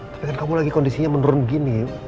tapi kan kamu lagi kondisinya menurun gini